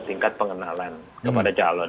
tingkat pengenalan kepada calon